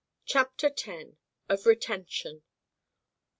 CHAPTER X. OF RETENTION.